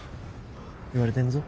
言われてんぞ。